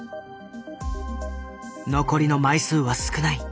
残りの枚数は少ない。